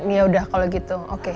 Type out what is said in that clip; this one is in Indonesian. yaudah kalau gitu oke